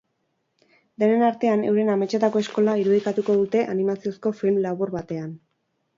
Denen artean, euren ametsetako eskola irudikatuko dute animaziozko film labur batean.